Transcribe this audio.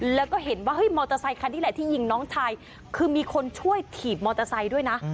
แล้วก็เห็นว่าเฮ้ยมอเตอร์ไซคันนี้แหละที่ยิงน้องชายคือมีคนช่วยถีบมอเตอร์ไซค์ด้วยนะ